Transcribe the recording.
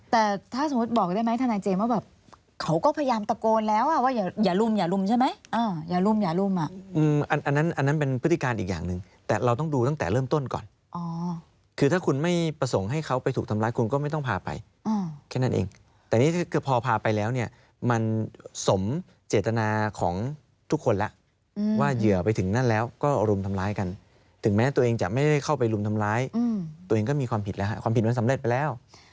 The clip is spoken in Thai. แต่ถ้าสมมติบอกได้ไหมท่านาเจมส์ว่าแบบเขาก็พยายามตะโกนแล้วว่าอย่ารุมอย่ารุมใช่ไหมอย่ารุมอย่ารุมอ่ะอันนั้นเป็นพฤติการอีกอย่างหนึ่งแต่เราต้องดูตั้งแต่เริ่มต้นก่อนคือถ้าคุณไม่ประสงค์ให้เขาไปถูกทำร้ายคุณก็ไม่ต้องพาไปแค่นั้นเองแต่นี่คือพอพาไปแล้วเนี่ยมันสมเจตนาของทุกคนละว่าเหยื่อไปถึ